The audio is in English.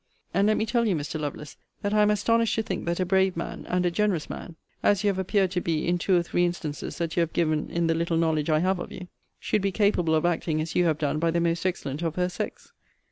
And let me tell you, Mr. Lovelace, that I am astonished to think that a brave man, and a generous man, as you have appeared to be in two or three instances that you have given in the little knowledge I have of you, should be capable of acting as you have done by the most excellent of her sex.